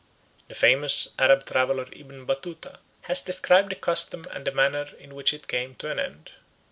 The famous Arab traveller Ibn Batutah has described the custom and the manner in which it came to an end.